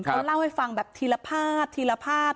เขาเล่าให้ฟังแบบทีละภาพทีละภาพ